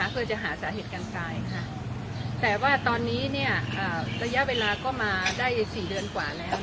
เพื่อจะหาสาเหตุการณ์ตายค่ะแต่ว่าตอนนี้เนี่ยระยะเวลาก็มาได้๔เดือนกว่าแล้ว